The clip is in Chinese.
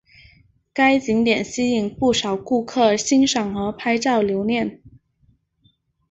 该景点吸引不少顾客欣赏和拍照留念。